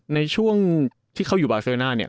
ในช่วงที่เขาอยู่บาเซอร์น่าเนี่ย